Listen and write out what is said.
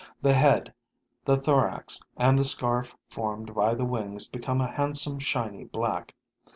The head, the thorax and the scarf formed by the wings become a handsome, shiny black.